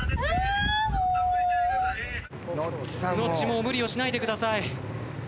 ノッチもう無理をしないでください。